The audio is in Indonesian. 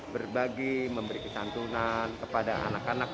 berbagi memberikan santunan kepada anak anak